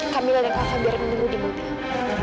kamilah dan kak fadil akan menunggu di mobil